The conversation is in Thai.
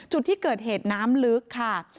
จุดที่เกิดเหตุน้ำลึกค่ะ